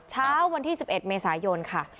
เช้าวันที่๑๑เมษายนค่ะ